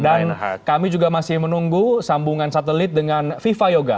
dan kami juga masih menunggu sambungan satelit dengan fifa yoga